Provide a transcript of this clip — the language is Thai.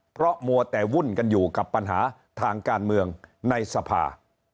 เพราะมัวแต่วุ่นกันอยู่กับปัญหาทางการเมืองในสภา